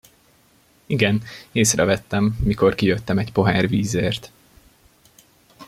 Igen, észrevettem, mikor kijöttem egy pohár vízért.